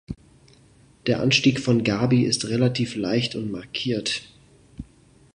Der Anstieg von Gabi ist relativ leicht und markiert.